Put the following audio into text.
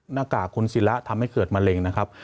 หน้ากากคุณศิระทำให้เกิดมะเร็งนะครับ